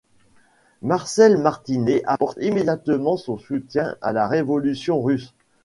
Marcel Martinet apporte immédiatement son soutien à la Révolution russe.